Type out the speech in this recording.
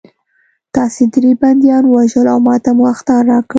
تاسې درې بندیان ووژل او ماته مو اخطار راکړ